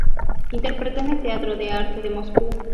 Interpretó en el Teatro de Arte de Moscú.